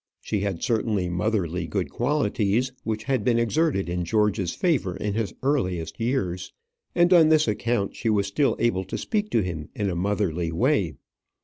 She had certain motherly good qualities, which had been exerted in George's favour in his earliest years; and on this account she was still able to speak to him in a motherly way.